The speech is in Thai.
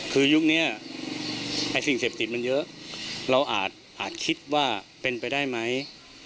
คือยุคนี้ไอ้สิ่งเสพติดมันเยอะเราอาจคิดว่าเป็นไปได้ไหม